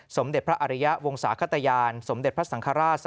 สมเด็จพระอริยะวงศาขตยานสมเด็จพระสังฆราช